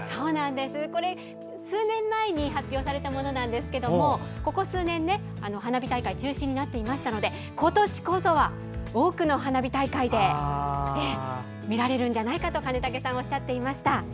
これ、数年前に発表されたものなんですけどもここ数年、花火大会が中止になっていましたので今年こそは多くの花火大会で見られるんじゃないかと金武さんおっしゃっていました。